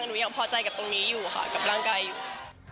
หนูยังพอใจกับตรงนี้อยู่ค่ะกับร่างกายอยู่